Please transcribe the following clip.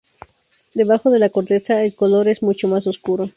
Debajo de la corteza el color es mucho más oscuro.